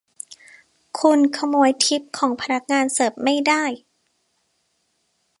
คุณขโมยทิปของพนักงานเสิร์ฟไม่ได้ !